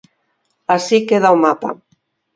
Así queda o mapa.